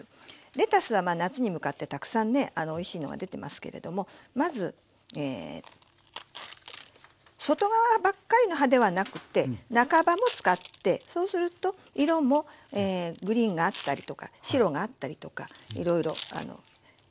レタスは夏に向かってたくさんねおいしいのが出てますけれどもまず外側ばっかりの葉ではなくて中葉も使ってそうすると色もグリーンがあったりとか白があったりとかいろいろきれいですからね。